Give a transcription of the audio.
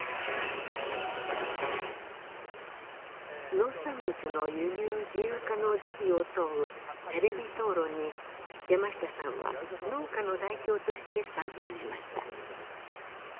農産物の輸入自由化の是非を問うテレビ討論に山下さんは農家の代表として参加しました。